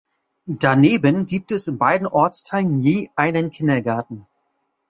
Daneben gibt es in beiden Ortsteilen je einen Kindergarten.